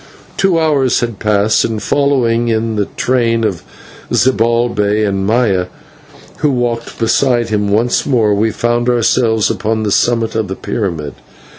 Two hours had passed, and, following in the train of Zibalbay and Maya, who walked beside him, once more we found ourselves upon the summit of the pyramid.